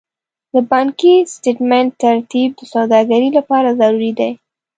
د بانکي سټېټمنټ ترتیب د سوداګرۍ لپاره ضروري دی.